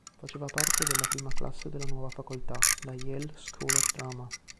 Faceva parte della prima classe della nuova facoltà, la Yale School of Drama.